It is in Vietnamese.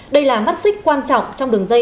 đây là mắt xích quan trọng trong đường dây